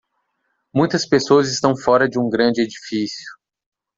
Muitas pessoas estão fora de um grande edifício.